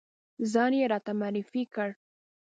ځان یې راته معرفی کړ.